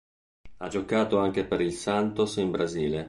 Ha giocato anche per il Santos in Brasile.